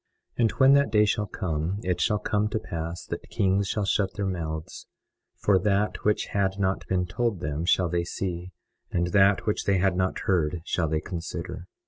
21:8 And when that day shall come, it shall come to pass that kings shall shut their mouths; for that which had not been told them shall they see; and that which they had not heard shall they consider.